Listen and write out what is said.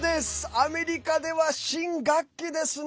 アメリカでは新学期ですね！